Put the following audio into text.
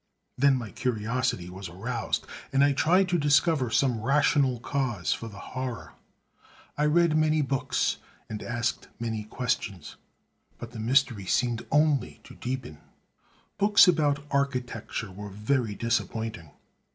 Then my curiosity was aroused; and I tried to discover some rational cause for the horror. I read many books, and asked many questions; but the mystery seemed only to deepen. Books about architecture were very disappointing.